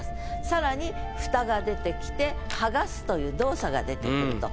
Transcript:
さらに蓋が出てきて剥がすという動作が出てくると。